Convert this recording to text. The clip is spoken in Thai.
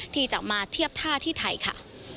ที่จะมาเทียบท่าที่ไทยค่ะ